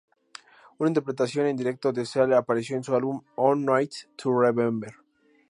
Una interpretación en directo de Seal apareció en su álbum "One Night to Remember".